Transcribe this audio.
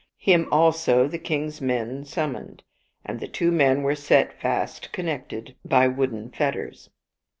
Him also the king's men sum moned, and the two men were set fast connected by wooden fetters.